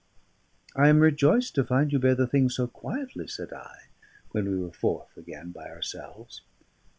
"I am rejoiced to find you bear the thing so quietly," said I, when we were forth again by ourselves.